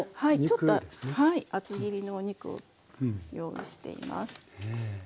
ちょっと厚切りのお肉を用意しています。